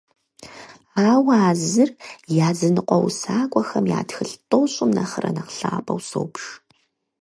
Ауэ а зыр языныкъуэ усакӀуэхэм я тхылъ тӀощӀым нэхърэ нэхъ лъапӀэу собж.